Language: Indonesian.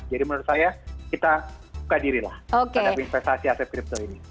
jadi menurut saya kita buka dirilah terhadap investasi aset kripto ini